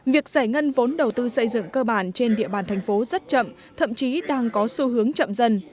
việc giải ngân vốn đầu tư xây dựng cơ bản trên địa bàn thành phố rất chậm thậm chí đang có xu hướng chậm dần